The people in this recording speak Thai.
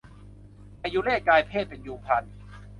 มยุเรศกลายเพศเป็นยูงพลัน